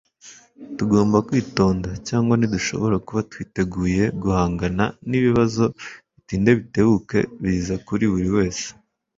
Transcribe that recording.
tugomba kwitonda cyangwa ntidushobora kuba twiteguye guhangana n'ibibazo bitinde bitebuke biza kuri buri wese